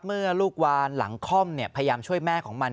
เมื่อลูกวานหลังคล่อมพยายามช่วยแม่ของมัน